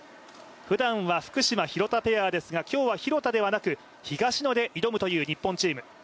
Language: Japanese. ふだんは福島・廣田ペアですが今日は廣田ではなく東野で挑むという日本チーム。